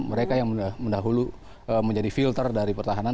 mereka yang mendahulu menjadi filter dari pertahanan